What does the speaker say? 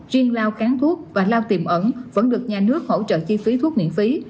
riêng lao kháng thuốc và lao tiềm ẩn vẫn được nhà nước hỗ trợ chi phí thuốc miễn phí